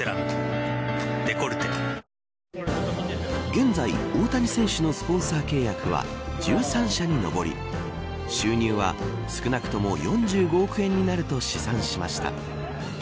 現在、大谷選手のスポンサー契約は１３社に上り収入は、少なくとも４５億円になると試算しました。